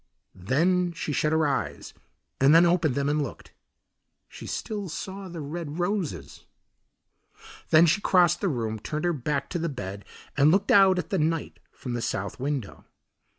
Then she shut her eyes, and then opened them and looked. She still saw the red roses. Then she crossed the room, turned her back to the bed, and looked out at the night from the south window.